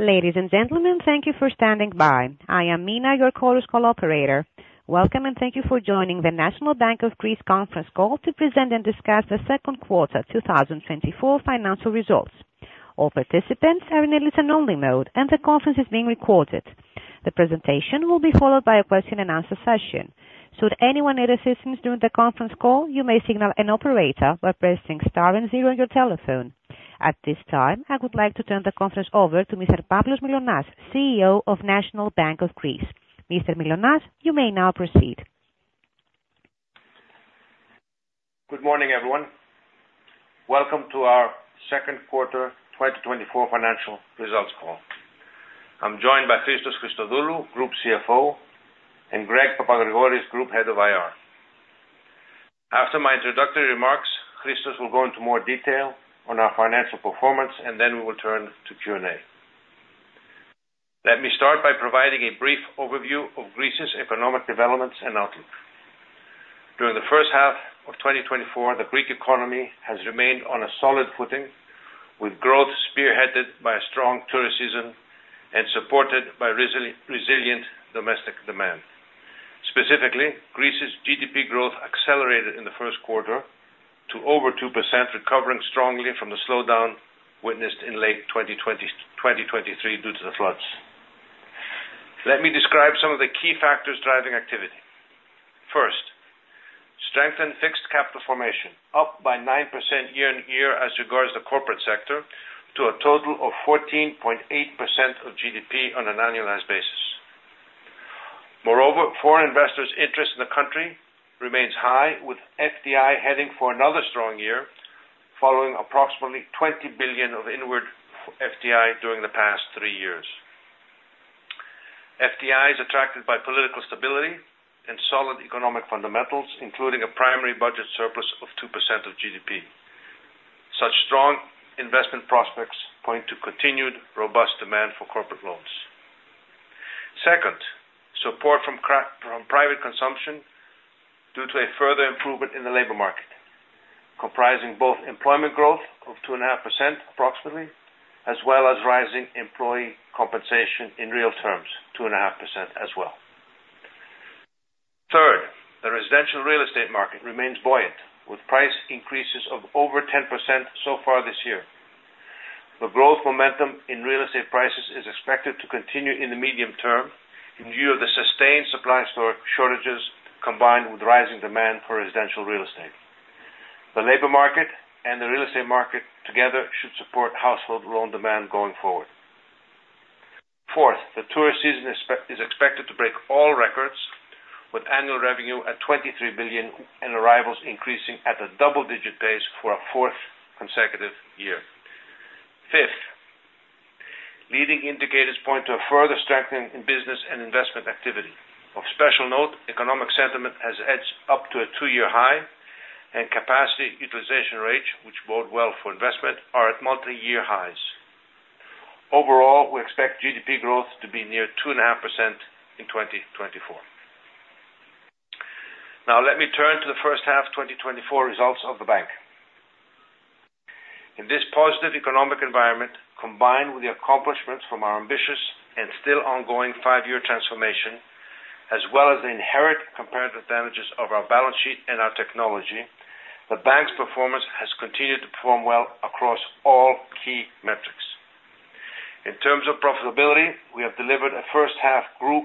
Ladies and gentlemen, thank you for standing by. I am Mina, your call's co-operator. Welcome and thank you for joining the National Bank of Greece conference call to present and discuss the second quarter 2024 financial results. All participants are in a listen-only mode, and the conference is being recorded. The presentation will be followed by a question-and-answer session. Should anyone need assistance during the conference call, you may signal an operator by pressing star and zero on your telephone. At this time, I would like to turn the conference over to Mr. Pavlos Mylonas, CEO of National Bank of Greece. Mr. Mylonas, you may now proceed. Good morning, everyone. Welcome to our second quarter 2024 financial results call. I'm joined by Christos Christodoulou, Group CFO, and Greg Papagrigoris, Group Head of IR. After my introductory remarks, Christos will go into more detail on our financial performance, and then we will turn to Q&A. Let me start by providing a brief overview of Greece's economic developments and outlook. During the first half of 2024, the Greek economy has remained on a solid footing, with growth spearheaded by a strong tourist season and supported by resilient domestic demand. Specifically, Greece's GDP growth accelerated in the first quarter to over 2%, recovering strongly from the slowdown witnessed in late 2023 due to the floods. Let me describe some of the key factors driving activity. First, strengthened fixed capital formation, up by 9% year-on-year as regards the corporate sector, to a total of 14.8% of GDP on an annualized basis. Moreover, foreign investors' interest in the country remains high, with FDI heading for another strong year, following approximately 20 billion of inward FDI during the past three years. FDI is attracted by political stability and solid economic fundamentals, including a primary budget surplus of 2% of GDP. Such strong investment prospects point to continued robust demand for corporate loans. Second, support from private consumption due to a further improvement in the labor market, comprising both employment growth of 2.5%, approximately, as well as rising employee compensation in real terms, 2.5% as well. Third, the residential real estate market remains buoyant, with price increases of over 10% so far this year. The growth momentum in real estate prices is expected to continue in the medium term in view of the sustained supply shortages combined with rising demand for residential real estate. The labor market and the real estate market together should support household loan demand going forward. Fourth, the tourist season is expected to break all records, with annual revenue at 23 billion and arrivals increasing at a double-digit pace for a fourth consecutive year. Fifth, leading indicators point to a further strengthening in business and investment activity. Of special note, economic sentiment has edged up to a two-year high, and capacity utilization rates, which bode well for investment, are at multi-year highs. Overall, we expect GDP growth to be near 2.5% in 2024. Now, let me turn to the first half 2024 results of the bank. In this positive economic environment, combined with the accomplishments from our ambitious and still ongoing five-year transformation, as well as the inherent comparative advantages of our balance sheet and our technology, the bank's performance has continued to perform well across all key metrics. In terms of profitability, we have delivered a first-half group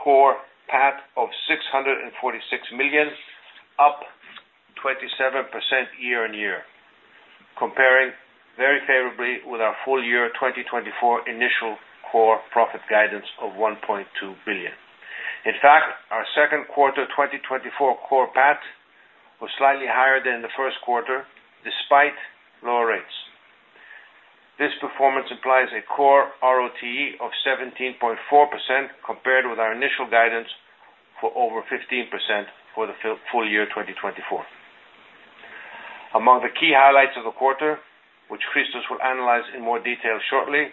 core PAT of 646 million, up 27% year-on-year, comparing very favorably with our full-year 2024 initial core profit guidance of 1.2 billion. In fact, our second quarter 2024 core PAT was slightly higher than the first quarter, despite lower rates. This performance implies a core ROTE of 17.4% compared with our initial guidance for over 15% for the full year 2024. Among the key highlights of the quarter, which Christos will analyze in more detail shortly,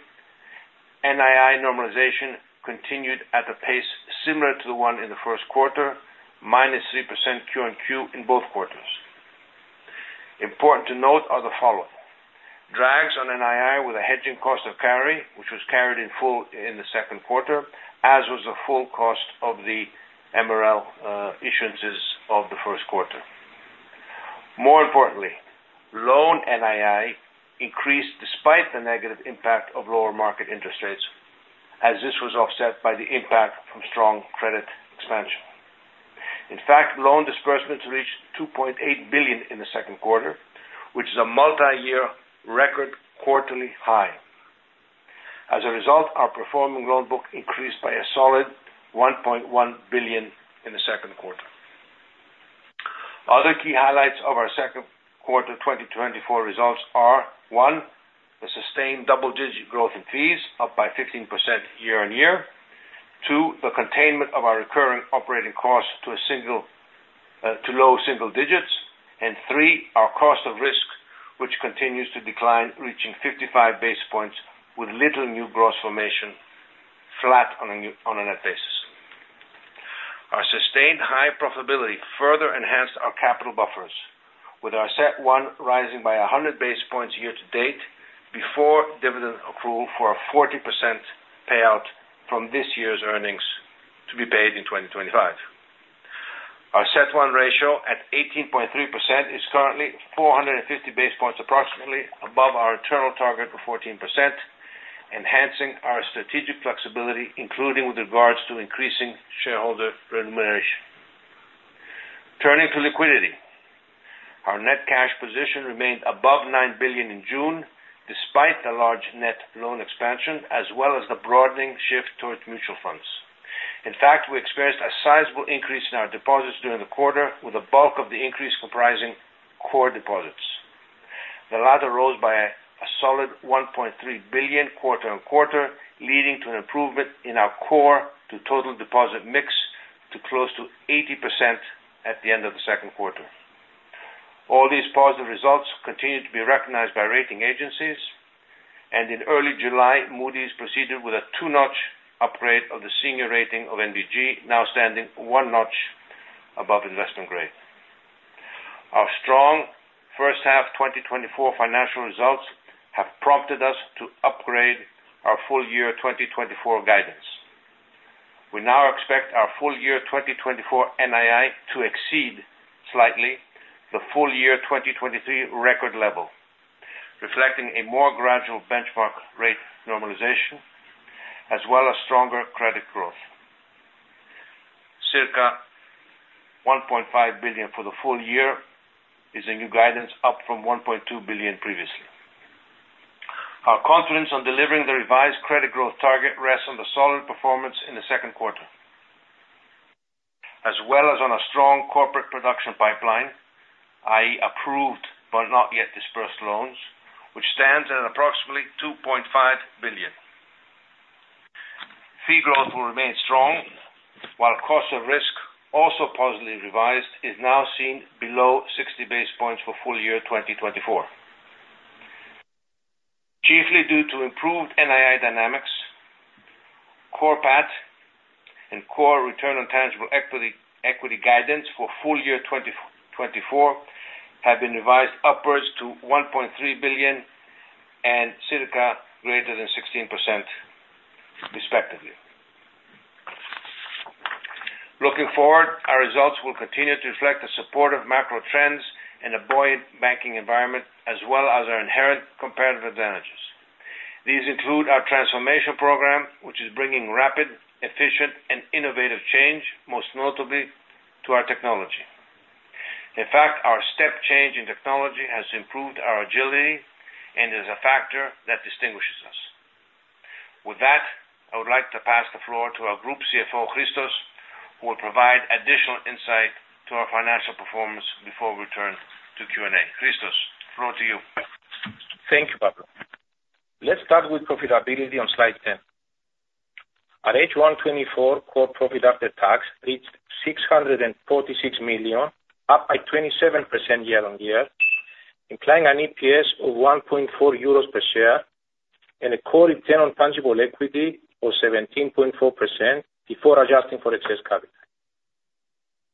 NII normalization continued at a pace similar to the one in the first quarter, minus 3% Q on Q in both quarters. Important to note are the following: drags on NII with a hedging cost of carry, which was carried in full in the second quarter, as was the full cost of the MREL issuances of the first quarter. More importantly, loan NII increased despite the negative impact of lower market interest rates, as this was offset by the impact from strong credit expansion. In fact, loan disbursements reached 2.8 billion in the second quarter, which is a multi-year record quarterly high. As a result, our performing loan book increased by a solid 1.1 billion in the second quarter. Other key highlights of our second quarter 2024 results are, one, the sustained double-digit growth in fees, up by 15% year-on-year; two, the containment of our recurring operating cost to low single digits; and three, our cost of risk, which continues to decline, reaching 55 basis points with little new gross formation, flat on a net basis. Our sustained high profitability further enhanced our capital buffers, with our CET1 rising by 100 basis points year to date before dividend accrual for a 40% payout from this year's earnings to be paid in 2025. Our CET1 ratio at 18.3% is currently 450 basis points approximately above our internal target of 14%, enhancing our strategic flexibility, including with regards to increasing shareholder remuneration. Turning to liquidity, our net cash position remained above 9 billion in June, despite the large net loan expansion, as well as the broadening shift towards mutual funds. In fact, we experienced a sizable increase in our deposits during the quarter, with the bulk of the increase comprising core deposits. The latter rose by a solid 1.3 billion quarter-on-quarter, leading to an improvement in our core to total deposit mix to close to 80% at the end of the second quarter. All these positive results continue to be recognized by rating agencies, and in early July, Moody's proceeded with a two-notch upgrade of the senior rating of NBG, now standing one notch above investment grade. Our strong first half 2024 financial results have prompted us to upgrade our full-year 2024 guidance. We now expect our full-year 2024 NII to exceed slightly the full-year 2023 record level, reflecting a more gradual benchmark rate normalization, as well as stronger credit growth. Circa 1.5 billion for the full year is a new guidance, up from 1.2 billion previously. Our confidence on delivering the revised credit growth target rests on the solid performance in the second quarter, as well as on a strong corporate production pipeline, i.e., approved but not yet disbursed loans, which stands at approximately 2.5 billion. Fee growth will remain strong, while cost of risk, also positively revised, is now seen below 60 basis points for full-year 2024. Chiefly due to improved NII dynamics, core PAT and core return on tangible equity guidance for full-year 2024 have been revised upwards to 1.3 billion and circa greater than 16%, respectively. Looking forward, our results will continue to reflect the supportive macro trends and a buoyant banking environment, as well as our inherent comparative advantages. These include our transformation program, which is bringing rapid, efficient, and innovative change, most notably to our technology. In fact, our step change in technology has improved our agility and is a factor that distinguishes us. With that, I would like to pass the floor to our Group CFO, Christos, who will provide additional insight to our financial performance before we turn to Q&A. Christos, the floor to you. Thank you, Pavlos. Let's start with profitability on slide 10. At H1 24, core profit after tax reached 646 million, up by 27% year-on-year, implying an EPS of 1.4 euros per share and a core return on tangible equity of 17.4% before adjusting for excess capital.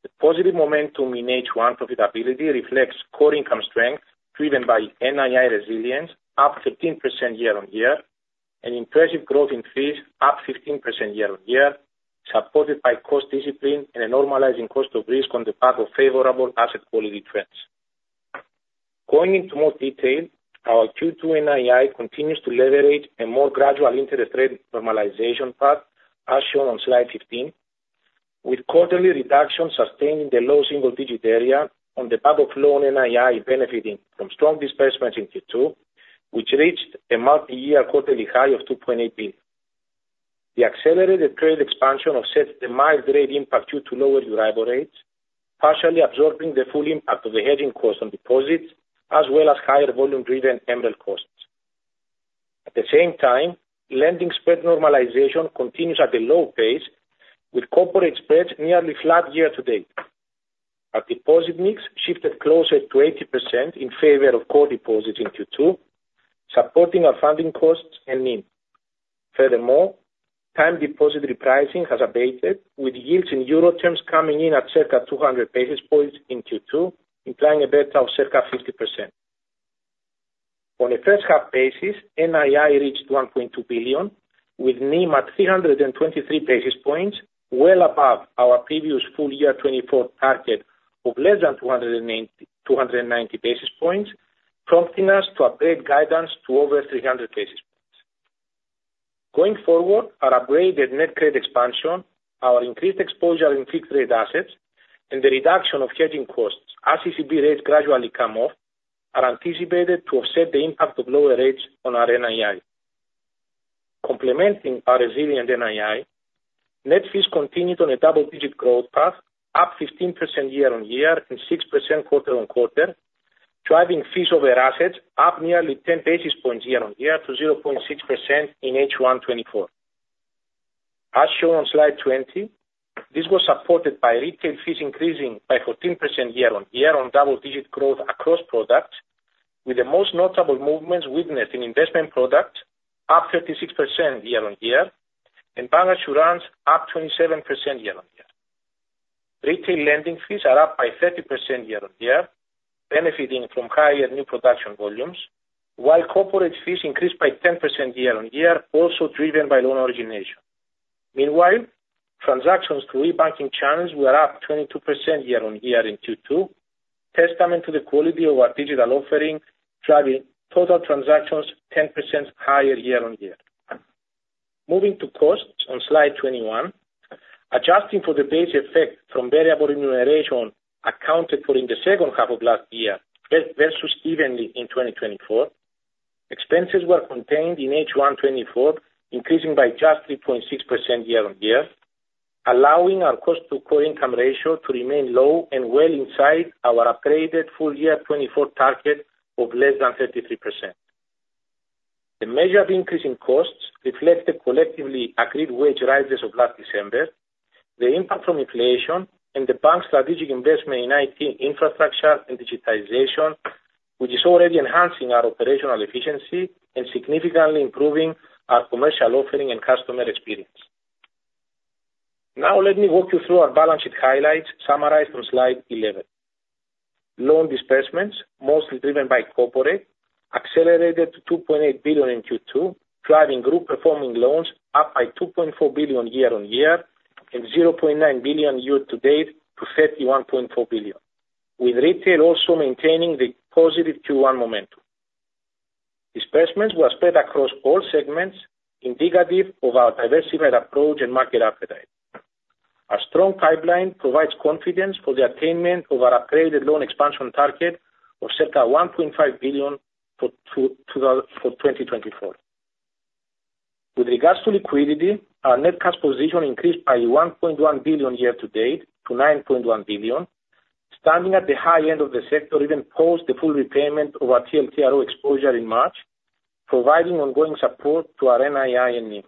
The positive momentum in H1 profitability reflects core income strength driven by NII resilience, up 13% year-on-year, and impressive growth in fees, up 15% year-on-year, supported by cost discipline and a normalizing cost of risk on the back of favorable asset quality trends. Going into more detail, our Q2 NII continues to leverage a more gradual interest rate normalization path, as shown on slide 15, with quarterly reductions sustained in the low single-digit area on the back of loan NII benefiting from strong disbursements in Q2, which reached a multi-year quarterly high of 2.8 billion. The accelerated trade expansion offsets the mild rate impact due to lower arrival rates, partially absorbing the full impact of the hedging cost on deposits, as well as higher volume-driven MREL costs. At the same time, lending spread normalization continues at a low pace, with corporate spreads nearly flat year to date. Our deposit mix shifted closer to 80% in favor of core deposits in Q2, supporting our funding costs and need. Furthermore, time deposit repricing has abated, with yields in euro terms coming in at circa 200 basis points in Q2, implying a better of circa 50%. On a first-half basis, NII reached 1.2 billion, with NIM at 323 basis points, well above our previous full-year 2024 target of less than 290 basis points, prompting us to upgrade guidance to over 300 basis points. Going forward, our upgraded net credit expansion, our increased exposure in fixed-rate assets, and the reduction of hedging costs as ECB rates gradually come off are anticipated to offset the impact of lower rates on our NII. Complementing our resilient NII, net fees continued on a double-digit growth path, up 15% year-over-year and 6% quarter-over-quarter, driving fees over assets up nearly 10 basis points year-over-year to 0.6% in H1 2024. As shown on slide 20, this was supported by retail fees increasing by 14% year-over-year on double-digit growth across products, with the most notable movements witnessed in investment products, up 36% year-over-year, and bancassurance up 27% year-over-year. Retail lending fees are up by 30% year-over-year, benefiting from higher new production volumes, while corporate fees increased by 10% year-over-year, also driven by loan origination. Meanwhile, transactions through e-banking channels were up 22% year-on-year in Q2, testament to the quality of our digital offering, driving total transactions 10% higher year-on-year. Moving to costs on slide 21, adjusting for the base effect from variable remuneration accounted for in the second half of last year versus evenly in 2024, expenses were contained in H1 2024, increasing by just 3.6% year-on-year, allowing our cost-to-core income ratio to remain low and well inside our upgraded full-year 2024 target of less than 33%. The measure of increasing costs reflected collectively agreed wage rises of last December, the impact from inflation, and the bank's strategic investment in IT infrastructure and digitization, which is already enhancing our operational efficiency and significantly improving our commercial offering and customer experience. Now, let me walk you through our balance sheet highlights summarized on slide 11. Loan disbursements, mostly driven by corporate, accelerated to 2.8 billion in Q2, driving group performing loans up by 2.4 billion year-on-year and 0.9 billion year to date to 31.4 billion, with retail also maintaining the positive Q1 momentum. Disbursements were spread across all segments, indicative of our diversified approach and market appetite. Our strong pipeline provides confidence for the attainment of our upgraded loan expansion target of circa 1.5 billion for 2024. With regards to liquidity, our net cash position increased by 1.1 billion year to date to 9.1 billion, standing at the high end of the sector, even post the full repayment of our TLTRO exposure in March, providing ongoing support to our NII and NIM.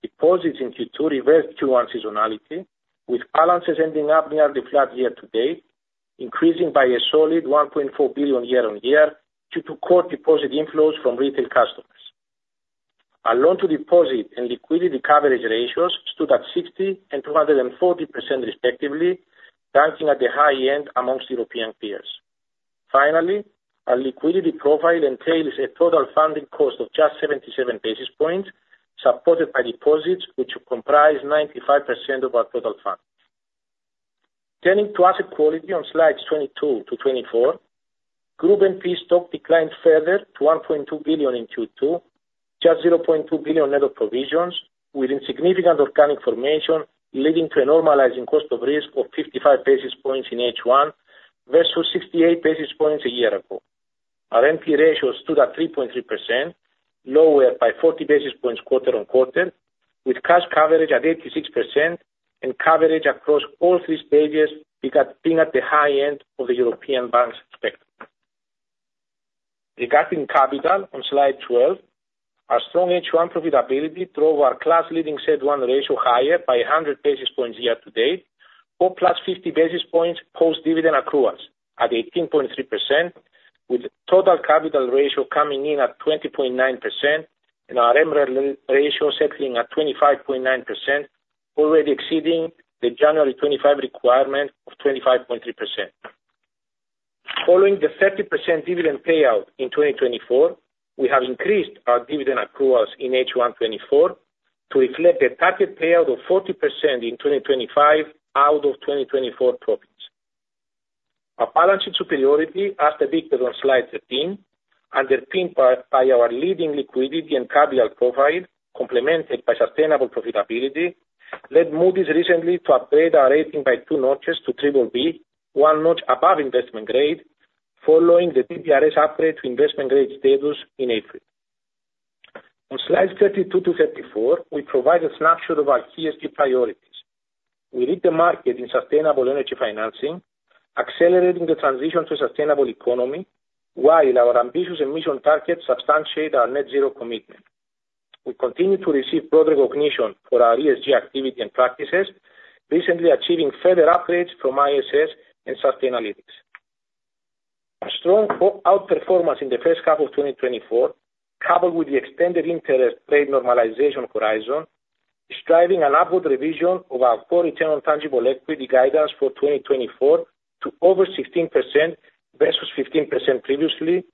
Deposits in Q2 reversed Q1 seasonality, with balances ending up near the flat year to date, increasing by a solid 1.4 billion year-on-year due to core deposit inflows from retail customers. Our loan-to-deposit and liquidity coverage ratios stood at 60% and 240%, respectively, ranking at the high end among European peers. Finally, our liquidity profile entails a total funding cost of just 77 basis points, supported by deposits, which comprise 95% of our total funding. Turning to asset quality on slides 22-24, Group NPE stock declined further to 1.2 billion in Q2, just 0.2 billion net of provisions, with insignificant organic formation leading to a normalizing cost of risk of 55 basis points in H1 versus 68 basis points a year ago. Our NPE ratio stood at 3.3%, lower by 40 basis points quarter-on-quarter, with cash coverage at 86% and coverage across all three stages being at the high end of the European bank's spectrum. Regarding capital on slide 12, our strong H1 profitability drove our class-leading CET1 ratio higher by 100 basis points year to date, or plus 50 basis points post-dividend accruals at 18.3%, with total capital ratio coming in at 20.9% and MREL ratio settling at 25.9%, already exceeding the January 25 requirement of 25.3%. Following the 30% dividend payout in 2024, we have increased our dividend accruals in H1 24 to reflect a target payout of 40% in 2025 out of 2024 profits. Our balance sheet superiority as predicted on slide 13, underpinned by our leading liquidity and capital profile, complemented by sustainable profitability, led Moody's recently to upgrade our rating by 2 notches to BBB, 1 notch above investment grade, following the DBRS upgrade to investment grade status in April. On slides 32-34, we provide a snapshot of our key ESG priorities. We lead the market in sustainable energy financing, accelerating the transition to a sustainable economy, while our ambitious emission targets substantiate our net zero commitment. We continue to receive broad recognition for our ESG activity and practices, recently achieving further upgrades from ISS and Sustainalytics. Our strong outperformance in the first half of 2024, coupled with the extended interest rate normalization horizon, is driving an upward revision of our core return on tangible equity guidance for 2024 to over 16% versus 15% previously,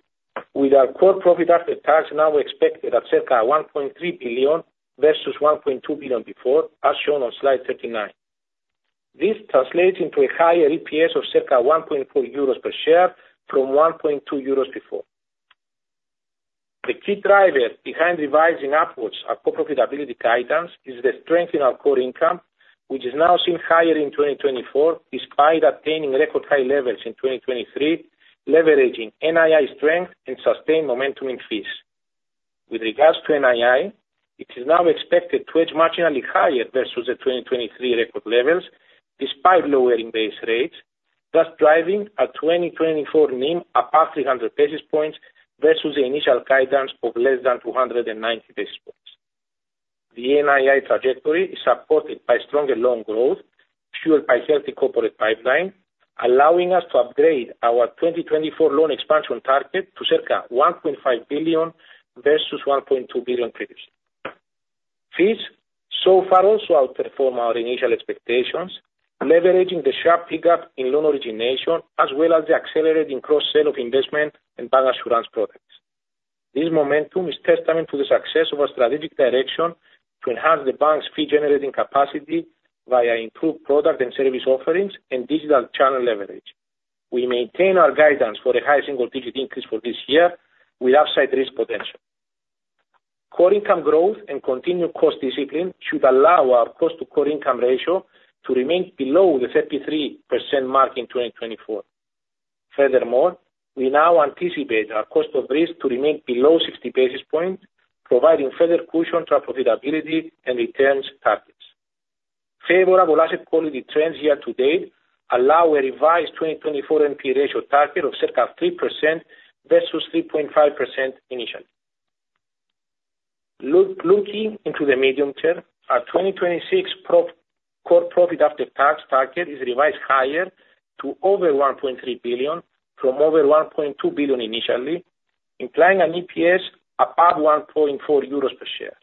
with our core profit after tax now expected at circa 1.3 billion versus 1.2 billion before, as shown on slide 39. This translates into a higher EPS of circa 1.4 euros per share from 1.2 euros before. The key driver behind revising upwards our core profitability guidance is the strength in our core income, which is now seen higher in 2024 despite attaining record high levels in 2023, leveraging NII strength and sustained momentum in fees. With regards to NII, it is now expected to edge marginally higher versus the 2023 record levels, despite lowering base rates, thus driving a 2024 NIM above 300 basis points versus the initial guidance of less than 290 basis points. The NII trajectory is supported by stronger loan growth fueled by healthy corporate pipeline, allowing us to upgrade our 2024 loan expansion target to circa 1.5 billion versus 1.2 billion previously. Fees so far also outperform our initial expectations, leveraging the sharp pickup in loan origination, as well as the accelerating cross-sale of investment and bank assurance products. This momentum is testament to the success of our strategic direction to enhance the bank's fee-generating capacity via improved product and service offerings and digital channel leverage. We maintain our guidance for a high single-digit increase for this year, with upside risk potential. Core income growth and continued cost discipline should allow our cost-to-core income ratio to remain below the 33% mark in 2024. Furthermore, we now anticipate our cost of risk to remain below 60 basis points, providing further cushion to our profitability and returns targets. Favorable asset quality trends year to date allow a revised 2024 NP ratio target of circa 3% versus 3.5% initially. Looking into the medium term, our 2026 core profit after tax target is revised higher to over 1.3 billion from over 1.2 billion initially, implying an EPS above 1.4 euros per share.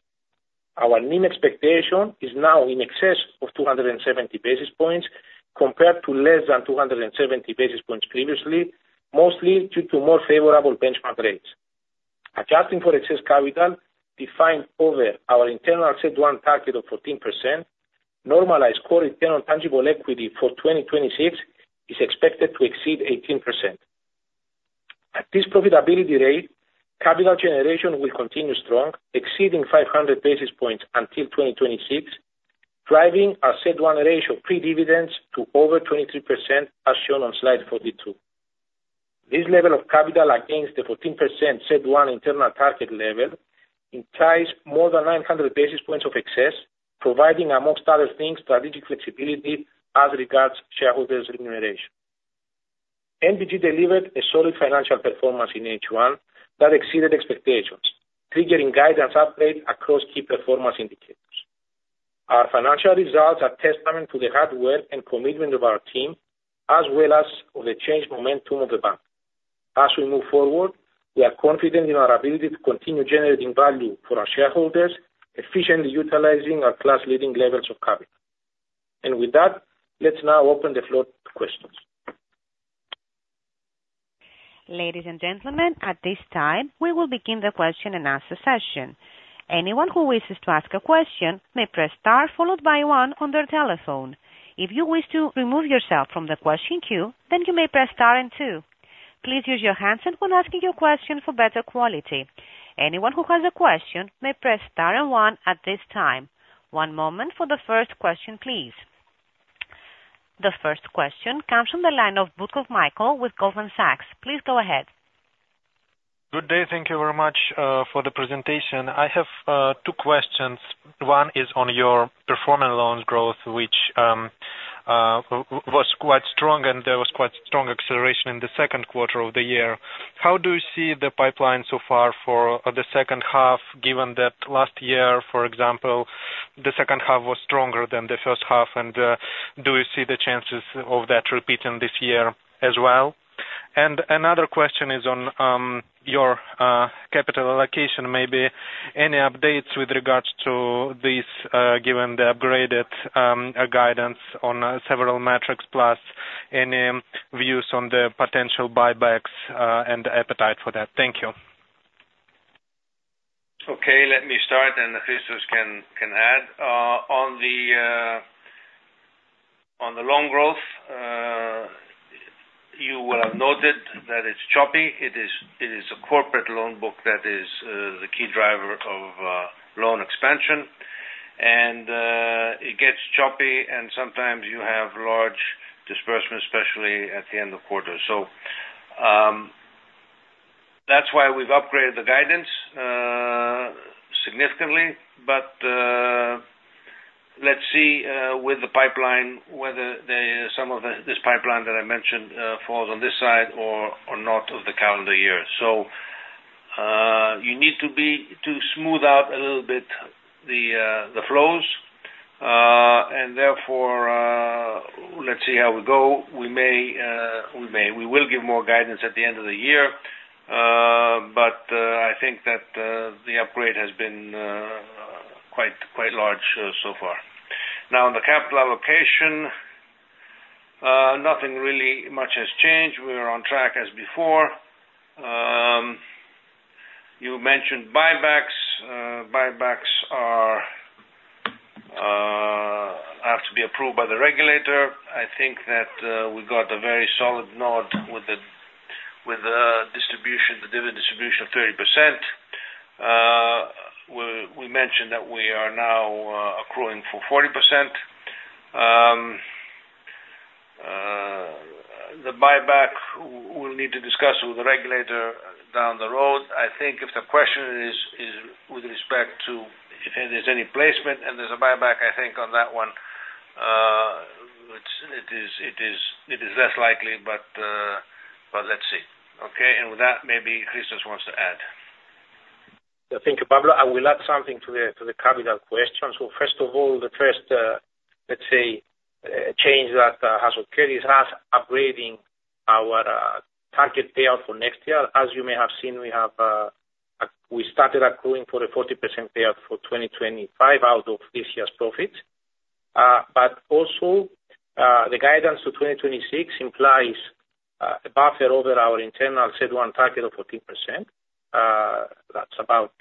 Our NIM expectation is now in excess of 270 basis points compared to less than 270 basis points previously, mostly due to more favorable benchmark rates. Adjusting for excess capital defined over our internal CET1 target of 14%, normalized core return on tangible equity for 2026 is expected to exceed 18%. At this profitability rate, capital generation will continue strong, exceeding 500 basis points until 2026, driving our CET1 ratio pre-dividends to over 23%, as shown on slide 42. This level of capital against the 14% CET1 internal target level entails more than 900 basis points of excess, providing, amongst other things, strategic flexibility as regards shareholders' remuneration. NBG delivered a solid financial performance in H1 that exceeded expectations, triggering guidance upgrades across key performance indicators. Our financial results are testament to the hard work and commitment of our team, as well as of the changed momentum of the bank. As we move forward, we are confident in our ability to continue generating value for our shareholders, efficiently utilizing our class-leading levels of capital. And with that, let's now open the floor to questions. Ladies and gentlemen, at this time, we will begin the question and answer session. Anyone who wishes to ask a question may press star followed by one on their telephone. If you wish to remove yourself from the question queue, then you may press star and two. Please use your handset when asking your question for better quality. Anyone who has a question may press star and one at this time. One moment for the first question, please. The first question comes from the line of Rupert Mitchell with Goldman Sachs. Please go ahead. Good day. Thank you very much for the presentation. I have two questions. One is on your performing loans growth, which was quite strong, and there was quite strong acceleration in the second quarter of the year. How do you see the pipeline so far for the second half, given that last year, for example, the second half was stronger than the first half? And do you see the chances of that repeating this year as well? And another question is on your capital allocation. Maybe any updates with regards to this, given the upgraded guidance on several metrics, plus any views on the potential buybacks and appetite for that? Thank you. Okay. Let me start, and Christos can add. On the loan growth, you will have noted that it's choppy. It is a corporate loan book that is the key driver of loan expansion. It gets choppy, and sometimes you have large disbursements, especially at the end of quarter. That's why we've upgraded the guidance significantly. Let's see with the pipeline whether some of this pipeline that I mentioned falls on this side or not of the calendar year. You need to smooth out a little bit the flows. Therefore, let's see how we go. We will give more guidance at the end of the year. I think that the upgrade has been quite large so far. Now, on the capital allocation, nothing really much has changed. We are on track as before. You mentioned buybacks. Buybacks have to be approved by the regulator. I think that we got a very solid nod with the dividend distribution of 30%. We mentioned that we are now accruing for 40%. The buyback, we'll need to discuss with the regulator down the road. I think if the question is with respect to if there's any placement and there's a buyback, I think on that one, it is less likely, but let's see. Okay. With that, maybe Christos wants to add. Thank you, Pavlos. I will add something to the capital questions. First of all, the first, let's say, change that S&P has upgrading our target payout for next year. As you may have seen, we started accruing for a 40% payout for 2025 out of this year's profits. But also, the guidance for 2026 implies a buffer over our internal CET1 target of 14%. That's about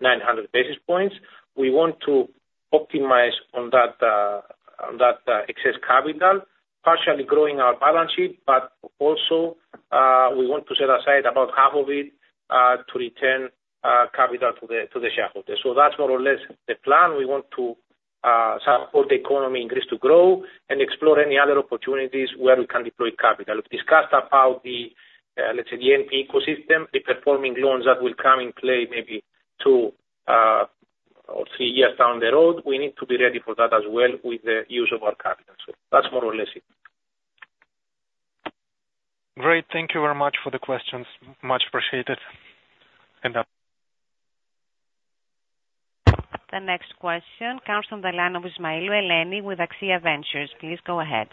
900 basis points. We want to optimize on that excess capital, partially growing our balance sheet, but also we want to set aside about half of it to return capital to the shareholders. So that's more or less the plan. We want to support the economy in Greece to grow and explore any other opportunities where we can deploy capital. We've discussed about the, let's say, the NP ecosystem, the performing loans that will come in play maybe two or three years down the road. We need to be ready for that as well with the use of our capital. So that's more or less it. Great. Thank you very much for the questions. Much appreciated. The next question comes from the line of Ismailou Eleni with Axia Ventures. Please go ahead.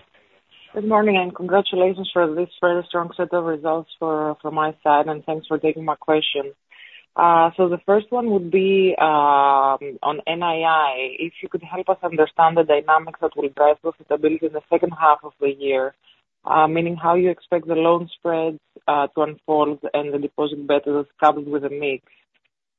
Good morning and congratulations for this very strong set of results from my side, and thanks for taking my question. So the first one would be on NII. If you could help us understand the dynamics that will drive profitability in the second half of the year, meaning how you expect the loan spreads to unfold and the deposit betas as covered with a mix.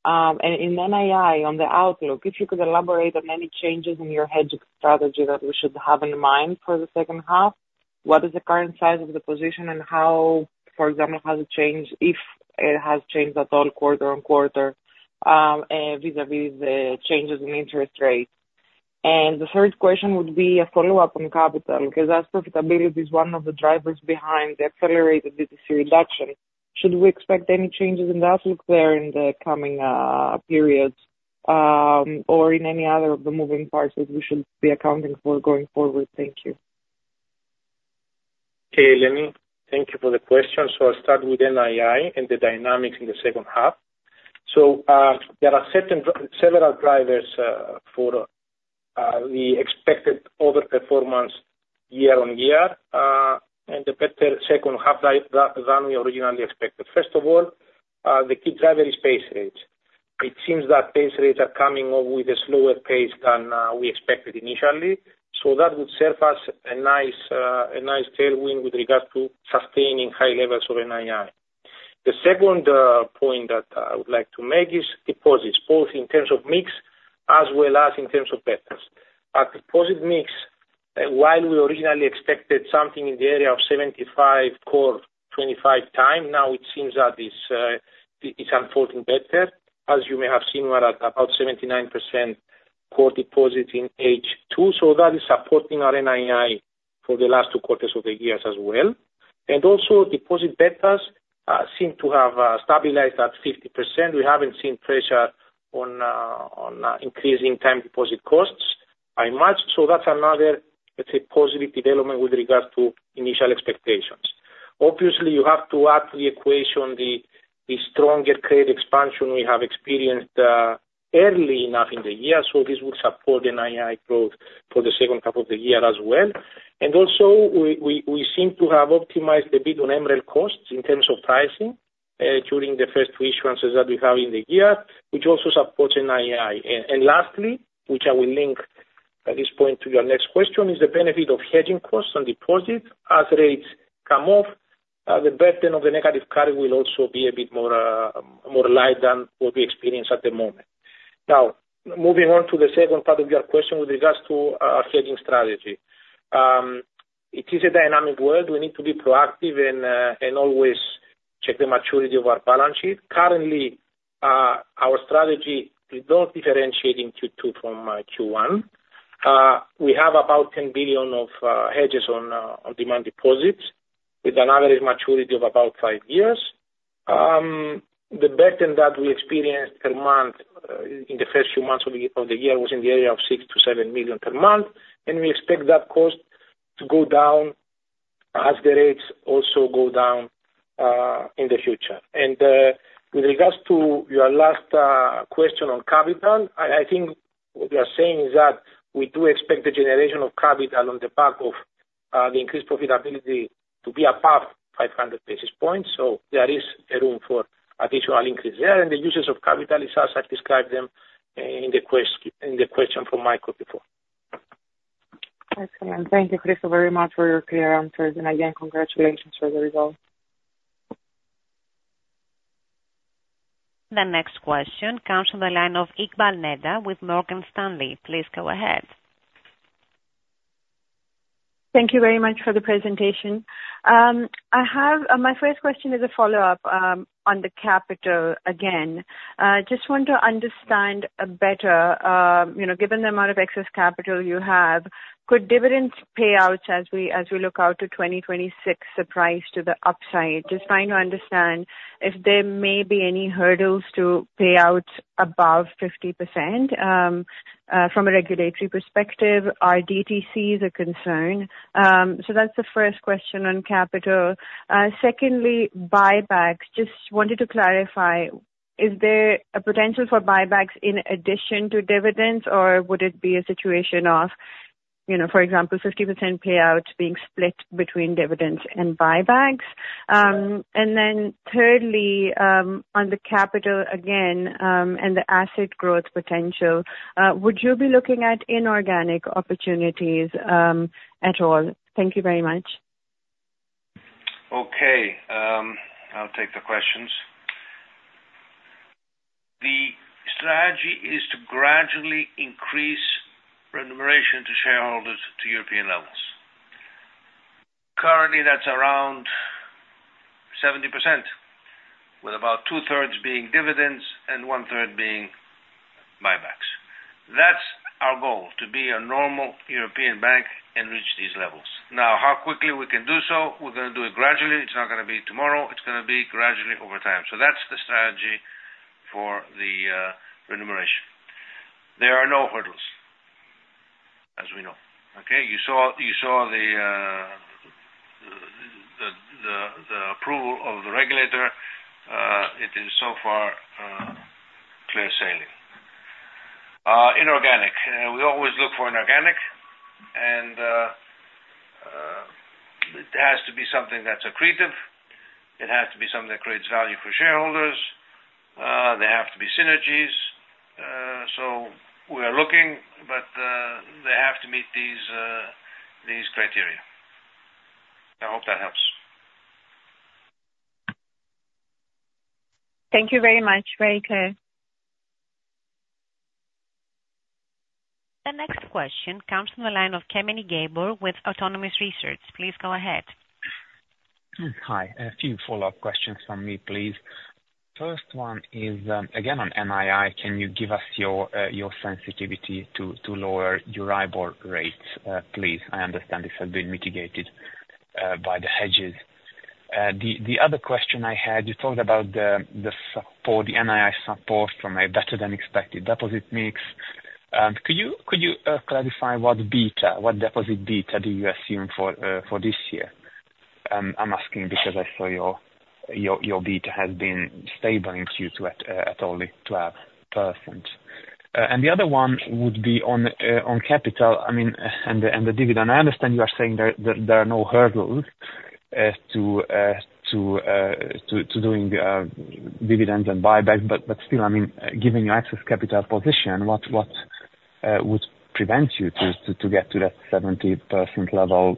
And in NII, on the outlook, if you could elaborate on any changes in your hedging strategy that we should have in mind for the second half, what is the current size of the position and how, for example, has it changed if it has changed at all quarter on quarter vis-à-vis the changes in interest rates? The third question would be a follow-up on capital because as profitability is one of the drivers behind the accelerated DTC reduction, should we expect any changes in the outlook there in the coming period or in any other of the moving parts that we should be accounting for going forward? Thank you. Okay, Eleni. Thank you for the question. I'll start with NII and the dynamics in the second half. There are several drivers for the expected overperformance year-on-year and a better second half than we originally expected. First of all, the key driver is base rates. It seems that base rates are coming up with a slower pace than we expected initially. That would serve us a nice tailwind with regards to sustaining high levels of NII. The second point that I would like to make is deposits, both in terms of mix as well as in terms of betas. Our deposit mix, while we originally expected something in the area of 75 core 25 time, now it seems that it's unfolding better, as you may have seen, we're at about 79% core deposits in H2. So that is supporting our NII for the last two quarters of the year as well. And also, deposit betas seem to have stabilized at 50%. We haven't seen pressure on increasing time deposit costs by much. So that's another, let's say, positive development with regards to initial expectations. Obviously, you have to add to the equation the stronger credit expansion we have experienced early enough in the year. So this will support NII growth for the second half of the year as well. Also, we seem to have optimized a bit on EMREL costs in terms of pricing during the first two issuances that we have in the year, which also supports NII. Lastly, which I will link at this point to your next question, is the benefit of hedging costs and deposits. As rates come off, the burden of the negative carry will also be a bit more light than what we experience at the moment. Now, moving on to the second part of your question with regards to our hedging strategy. It is a dynamic world. We need to be proactive and always check the maturity of our balance sheet. Currently, our strategy is not differentiating Q2 from Q1. We have about 10 billion of hedges on demand deposits with an average maturity of about five years. The burden that we experienced per month in the first few months of the year was in the area of 6 million-7 million per month. We expect that cost to go down as the rates also go down in the future. With regards to your last question on capital, I think what you are saying is that we do expect the generation of capital on the back of the increased profitability to be above 500 basis points. There is room for additional increase there. The uses of capital is as I described them in the question from Mitchell before. Excellent. Thank you, Christos, very much for your clear answers. Again, congratulations for the results. The next question comes from the line of Iqbal Neda with Morgan Stanley. Please go ahead. Thank you very much for the presentation. My first question is a follow-up on the capital again. Just want to understand better, given the amount of excess capital you have, could dividend payouts as we look out to 2026 surprise to the upside? Just trying to understand if there may be any hurdles to payouts above 50% from a regulatory perspective. Our DTC is a concern. So that's the first question on capital. Secondly, buybacks. Just wanted to clarify, is there a potential for buybacks in addition to dividends, or would it be a situation of, for example, 50% payouts being split between dividends and buybacks? And then thirdly, on the capital again and the asset growth potential, would you be looking at inorganic opportunities at all? Thank you very much. Okay. I'll take the questions. The strategy is to gradually increase remuneration to shareholders to European levels. Currently, that's around 70%, with about two-thirds being dividends and one-third being buybacks. That's our goal, to be a normal European bank and reach these levels. Now, how quickly we can do so? We're going to do it gradually. It's not going to be tomorrow. It's going to be gradually over time. So that's the strategy for the remuneration. There are no hurdles, as we know. Okay? You saw the approval of the regulator. It is so far clear sailing. Inorganic. We always look for inorganic, and it has to be something that's accretive. It has to be something that creates value for shareholders. There have to be synergies. So we are looking, but they have to meet these criteria. I hope that helps. Thank you very much. Very clear. The next question comes from the line of Gabor Kemeny with Autonomous Research. Please go ahead. Hi. A few follow-up questions from me, please. First one is, again, on NII. Can you give us your sensitivity to lower your IBOR rates, please? I understand this has been mitigated by the hedges. The other question I had, you talked about the support, the NII support from a better-than-expected deposit mix. Could you clarify what beta, what deposit beta do you assume for this year? I'm asking because I saw your beta has been stable in Q2 at only 12%. And the other one would be on capital, I mean, and the dividend. I understand you are saying there are no hurdles to doing dividends and buybacks, but still, I mean, given your excess capital position, what would prevent you to get to that 70% level,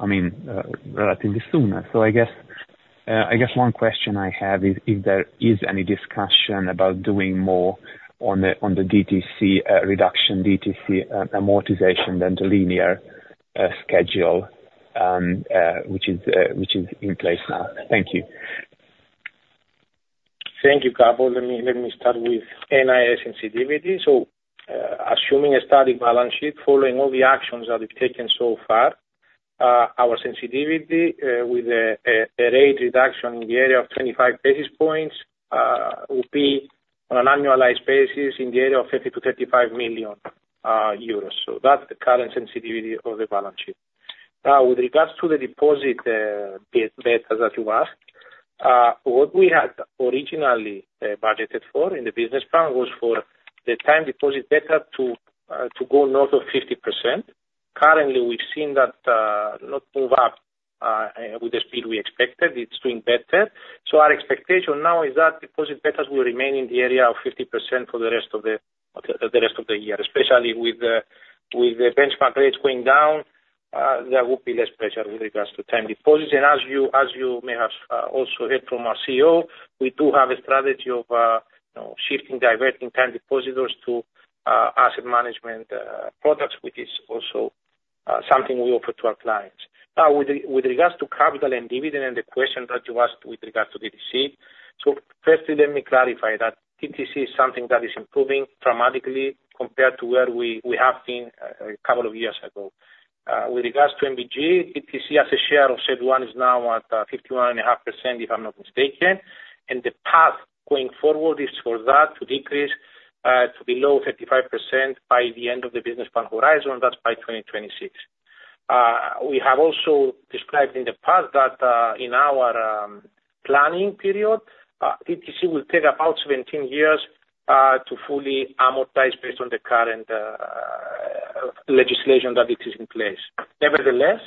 I mean, relatively sooner? So I guess one question I have is if there is any discussion about doing more on the DTC reduction, DTC amortization than the linear schedule, which is in place now. Thank you. Thank you, Gabor. Let me start with NII sensitivity. So assuming a static balance sheet following all the actions that we've taken so far, our sensitivity with a rate reduction in the area of 25 basis points would be on an annualized basis in the area of 30 million-35 million euros. So that's the current sensitivity of the balance sheet. Now, with regards to the deposit betas that you asked, what we had originally budgeted for in the business plan was for the time deposit beta to go north of 50%. Currently, we've seen that not move up with the speed we expected. It's doing better. Our expectation now is that deposit betas will remain in the area of 50% for the rest of the year, especially with the benchmark rates going down, there will be less pressure with regards to time deposits. And as you may have also heard from our CEO, we do have a strategy of shifting, diverting time depositors to asset management products, which is also something we offer to our clients. Now, with regards to capital and dividend and the question that you asked with regards to DTC, so firstly, let me clarify that DTC is something that is improving dramatically compared to where we have been a couple of years ago. With regards to NBG, DTC as a share of CET1 is now at 51.5%, if I'm not mistaken. The path going forward is for that to decrease to below 35% by the end of the business plan horizon, that's by 2026. We have also described in the past that in our planning period, DTC will take about 17 years to fully amortize based on the current legislation that is in place. Nevertheless,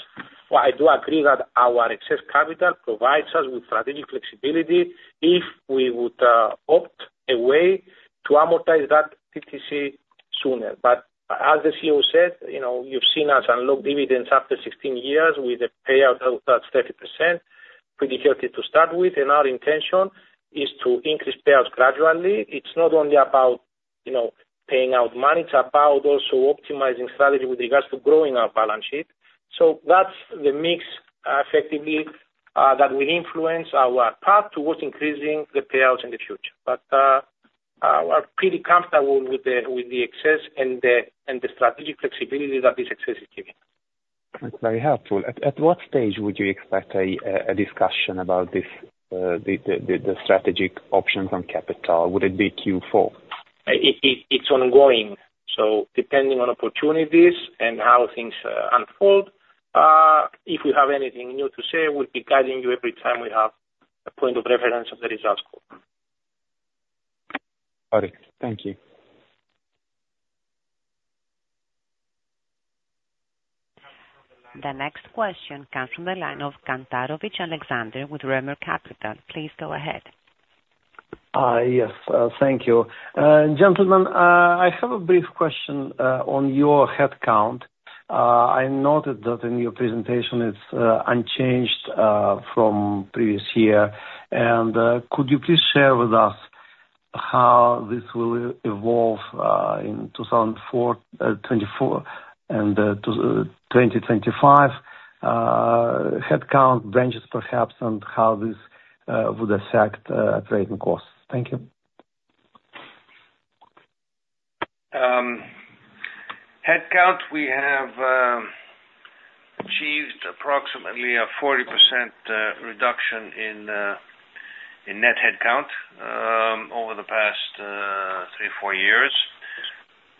I do agree that our excess capital provides us with strategic flexibility if we would opt away to amortize that DTC sooner. But as the CEO said, you've seen us unlock dividends after 16 years with a payout of that 30% we decided to start with. Our intention is to increase payouts gradually. It's not only about paying out money. It's about also optimizing strategy with regards to growing our balance sheet. That's the mix effectively that will influence our path towards increasing the payouts in the future. But we're pretty comfortable with the excess and the strategic flexibility that this excess is giving. That's very helpful. At what stage would you expect a discussion about the strategic options on capital? Would it be Q4? It's ongoing. So depending on opportunities and how things unfold, if we have anything new to say, we'll be guiding you every time we have a point of reference of the results call. Got it. Thank you. The next question comes from the line of Kantarovich, Alexander with Roemer Capital. Please go ahead. Yes. Thank you. Gentlemen, I have a brief question on your headcount. I noted that in your presentation, it's unchanged from previous year. Could you please share with us how this will evolve in 2024 and 2025, headcount, branches perhaps, and how this would affect trading costs? Thank you. Headcount, we have achieved approximately a 40% reduction in net headcount over the past three or four years.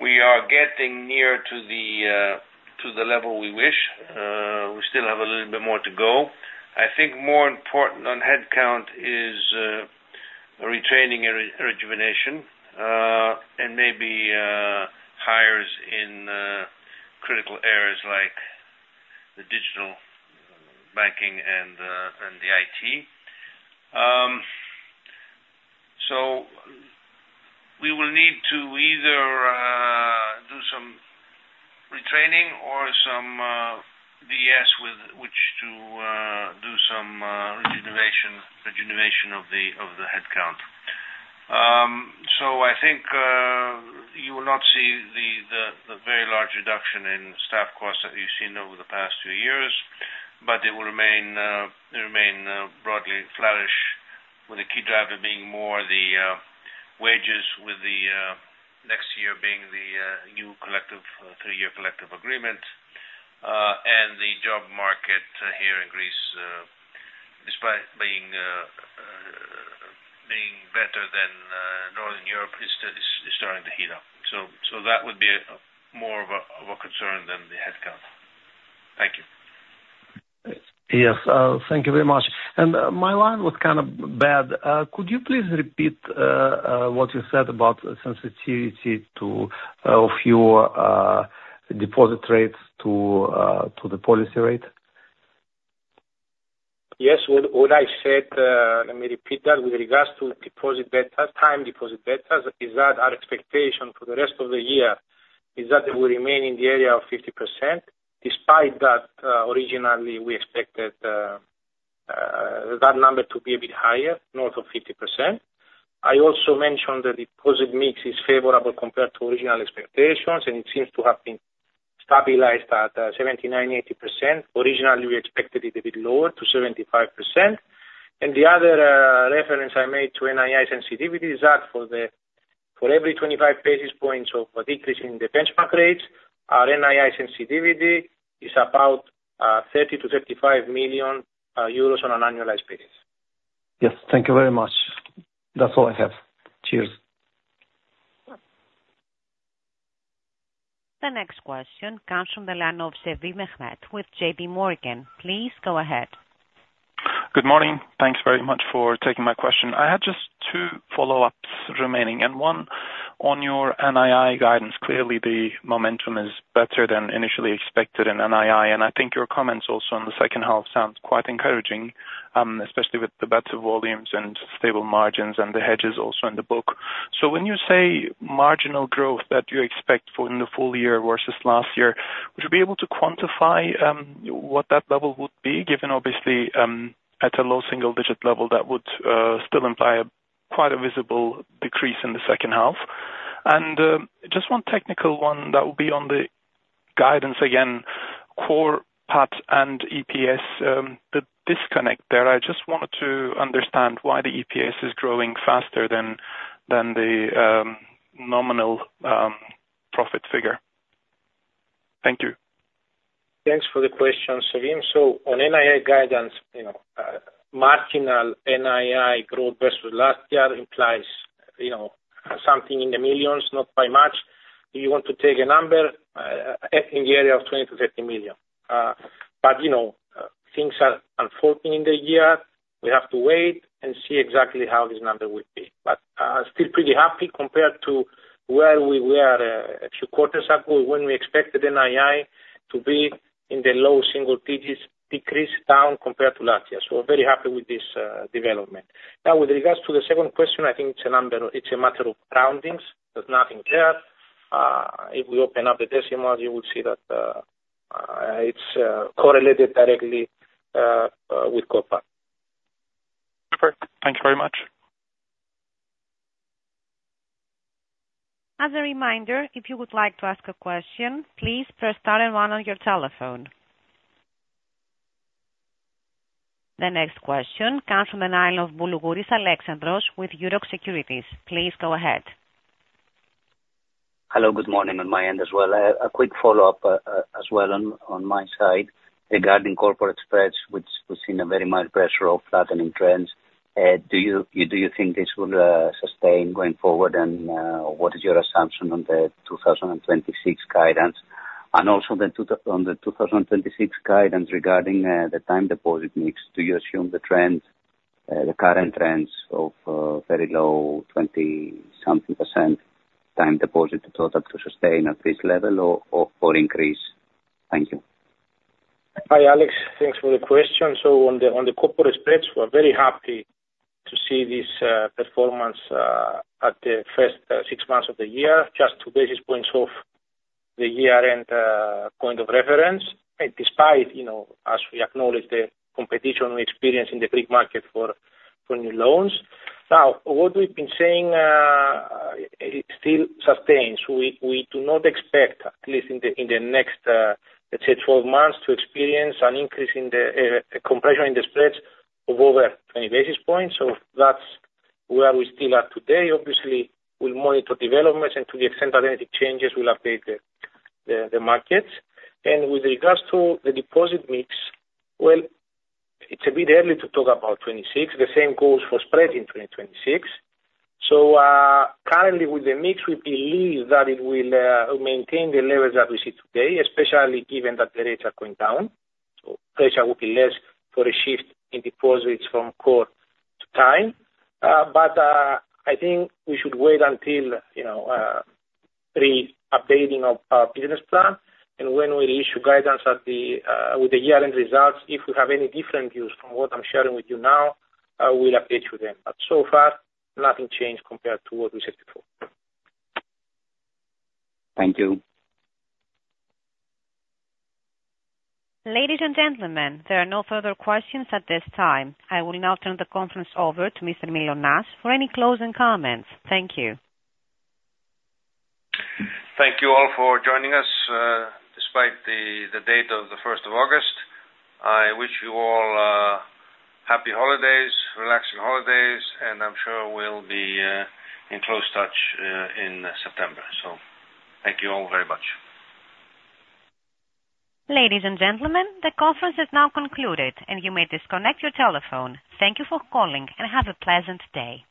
We are getting near to the level we wish. We still have a little bit more to go. I think more important on headcount is retraining and rejuvenation and maybe hires in critical areas like the digital banking and the IT. So we will need to either do some retraining or some VES with which to do some rejuvenation of the headcount. So I think you will not see the very large reduction in staff costs that you've seen over the past few years, but it will remain broadly flourish, with the key driver being more the wages, with the next year being the new collective three-year collective agreement. And the job market here in Greece, despite being better than Northern Europe, is starting to heat up. So that would be more of a concern than the headcount. Thank you. Yes. Thank you very much. And my line was kind of bad. Could you please repeat what you said about sensitivity of your deposit rates to the policy rate? Yes. What I said, let me repeat that. With regards to deposit betas, time deposit betas, is that our expectation for the rest of the year is that they will remain in the area of 50%, despite that originally we expected that number to be a bit higher, north of 50%. I also mentioned that deposit mix is favorable compared to original expectations, and it seems to have been stabilized at 79%-80%. Originally, we expected it a bit lower to 75%. And the other reference I made to NII sensitivity is that for every 25 basis points of decrease in the benchmark rates, our NII sensitivity is about 30 million-35 million euros on an annualized basis. Yes. Thank you very much. That's all I have. Cheers. The next question comes from the line of Mehmet Sevim with JPMorgan. Please go ahead. Good morning. Thanks very much for taking my question. I had just two follow-ups remaining. And one, on your NII guidance, clearly the momentum is better than initially expected in NII. And I think your comments also in the second half sound quite encouraging, especially with the better volumes and stable margins and the hedges also in the book. So when you say marginal growth that you expect for in the full year versus last year, would you be able to quantify what that level would be, given obviously at a low single-digit level, that would still imply quite a visible decrease in the second half? And just one technical one that would be on the guidance again, core part and EPS, the disconnect there. I just wanted to understand why the EPS is growing faster than the nominal profit figure. Thank you. Thanks for the question, Sevim. So on NII guidance, marginal NII growth versus last year implies something in the millions, not by much. If you want to take a number, in the area of 20 million-30 million. But things are unfolding in the year. We have to wait and see exactly how this number will be. But still pretty happy compared to where we were a few quarters ago when we expected NII to be in the low single digits decrease down compared to last year. So we're very happy with this development. Now, with regards to the second question, I think it's a matter of roundings. There's nothing there. If we open up the decimals, you will see that it's correlated directly with Core PAT. Perfect. Thank you very much. As a reminder, if you would like to ask a question, please press star and one on your telephone. The next question comes from the line of Bulunguris Alexandros with Euroxx Securities. Please go ahead. Hello. Good morning on my end as well. A quick follow-up as well on my side regarding corporate spreads, which we've seen a very mild pressure of flattening trends. Do you think this will sustain going forward, and what is your assumption on the 2026 guidance? And also on the 2026 guidance regarding the time deposit mix, do you assume the current trends of very low 20-something% time deposit total to sustain at this level or increase? Thank you. Hi, Alex. Thanks for the question. So on the corporate spreads, we're very happy to see this performance at the first six months of the year, just 2 basis points off the year-end point of reference, despite as we acknowledge the competition we experience in the Greek market for new loans. Now, what we've been saying still sustains. We do not expect, at least in the next, let's say, 12 months, to experience an increase in the compression in the spreads of over 20 basis points. So that's where we still are today. Obviously, we'll monitor developments, and to the extent that any changes, we'll update the markets. With regards to the deposit mix, well, it's a bit early to talk about 2026. The same goes for spreads in 2026. Currently, with the mix, we believe that it will maintain the levels that we see today, especially given that the rates are going down. Pressure will be less for a shift in deposits from core to time. But I think we should wait until re-updating of our business plan. When we issue guidance with the year-end results, if we have any different views from what I'm sharing with you now, we'll update you then. But so far, nothing changed compared to what we said before. Thank you. Ladies and gentlemen, there are no further questions at this time. I will now turn the conference over to Mr. Mylonas for any closing comments. Thank you. Thank you all for joining us despite the date of the 1st of August. I wish you all happy holidays, relaxing holidays, and I'm sure we'll be in close touch in September. So thank you all very much. Ladies and gentlemen, the conference is now concluded, and you may disconnect your telephone. Thank you for calling, and have a pleasant day.